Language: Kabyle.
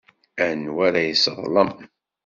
Anwa ara yesseḍlem?